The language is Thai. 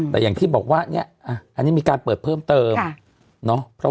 แต่อย่างที่บอกว่าอันนี้มีการเปิดเพิ่มเติม